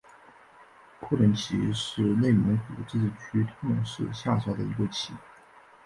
库伦旗是内蒙古自治区通辽市下辖的一个旗。